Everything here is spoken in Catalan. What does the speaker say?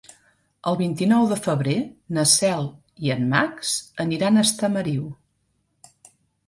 El vint-i-nou de febrer na Cel i en Max aniran a Estamariu.